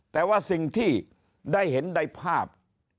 แต่ว่าสิ่งที่ได้เห็นได้ภาพ